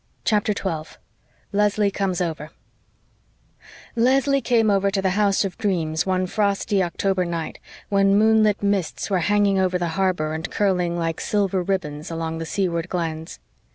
CHAPTER 12 LESLIE COMES OVER Leslie came over to the house of dreams one frosty October night, when moonlit mists were hanging over the harbor and curling like silver ribbons along the seaward glens.